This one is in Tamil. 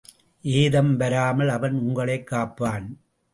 ஏதம் வராமல் அவன் உங்களைக் காப்பான்.